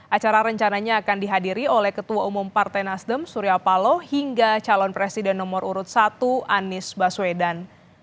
acara rencananya akan dihadiri oleh ketua umum partai nasdem surya paloh hingga calon presiden nomor urut satu anies baswedan